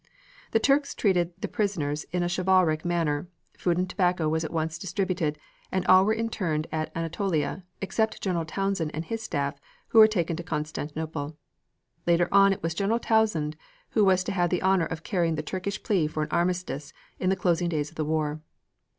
The Turks treated the prisoners in a chivalric manner; food and tobacco was at once distributed, and all were interned in Anatolia, except General Townshend and his staff, who were taken to Constantinople. Later on it was General Townshend who was to have the honor of carrying the Turkish plea for an armistice in the closing days of the war.